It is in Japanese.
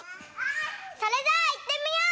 それじゃあいってみよう！